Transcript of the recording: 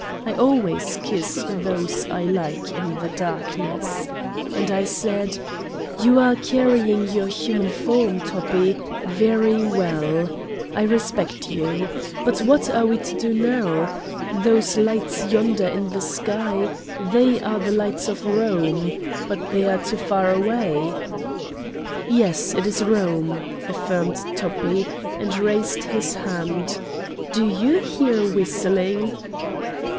I always kiss those I like in the darkness. And I said: 15 Satan's Diary "You are carrying your human form, Toppi, very well. I respect you. But what are we to do now? Those lights yonder in the sky they are the lights of Rome. But they are too far away!" "Yes, it is Rome," affirmed Toppi, and raised his hand: "do you hear whistling